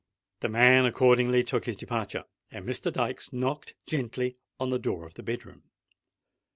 The man accordingly took his departure, and Mr. Dykes knocked gently at the door of the bed room.